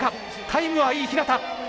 タイムはいい日向。